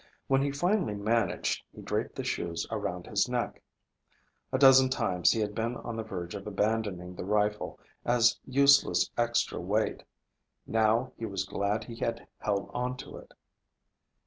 When he finally managed, he draped the shoes around his neck. A dozen times he had been on the verge of abandoning the rifle as useless extra weight. Now he was glad he had held onto it.